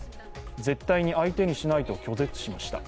絶対に相手にしないと拒絶しました。